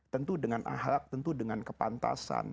tentu dengan ahlak tentu dengan kepantasan